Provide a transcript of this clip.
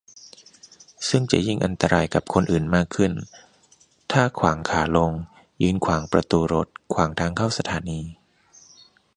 ซึ่งจะยิ่งอันตรายกับคนอื่นมากขึ้นถ้าขวางขาลง ยืนขวางประตูรถ ขวางทางเข้าสถานี